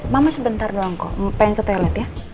mama sebentar doang kok pengen ke toilet ya